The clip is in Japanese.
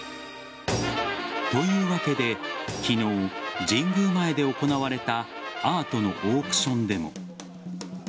というわけで昨日、神宮前で行われたアートのオークションでも。